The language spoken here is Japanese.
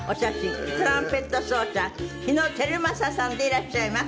トランペット奏者日野皓正さんでいらっしゃいます。